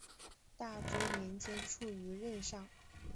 大中年间卒于任上。